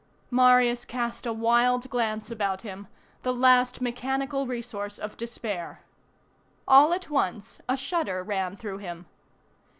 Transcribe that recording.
Marius cast a wild glance about him, the last mechanical resource of despair. All at once a shudder ran through him.